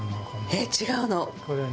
えっ違うのを？